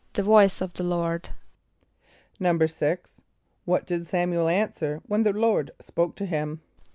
=The voice of the Lord.= =6.= What did S[)a]m´u el answer when the Lord spoke to him?